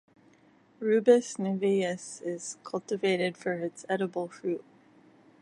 "Rubus niveus" is cultivated for its edible fruit.